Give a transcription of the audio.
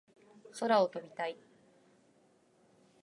空を飛びたい